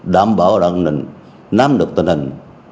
đảm bảo đảm năng nắm được tình hình